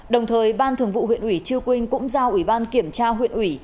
đồng thời ban thường vụ huyện ủy chư quynh cũng giao ủy ban kiểm tra huyện ủy